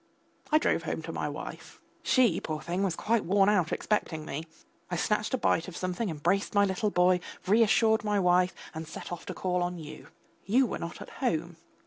I drove home to my wife. She, poor thing, was quite worn out expecting me. I snatched a bite of something, embraced my little boy, reassured my wife and set off to call on you. You were not at home.